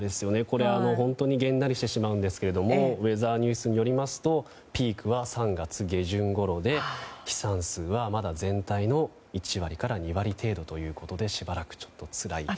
本当にげんなりしてしまうんですけれどもウェザーニュースによりますとピークは３月下旬ごろで飛散数は、まだ全体の１割から２割程度ということでしばらくちょっとつらい日が。